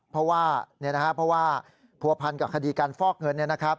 เพราะว่าผัวพันธ์กับคดีการฟอกเงิน